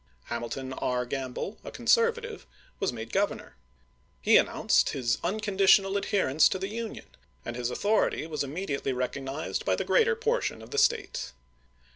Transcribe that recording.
Hamilton R. Gramble, a conservative, was made Grovernor. He announced his unconditional adherence to the Union, and his authority was immediately recog nized by the greater portion of the State.